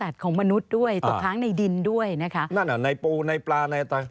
ใช่ค่ะ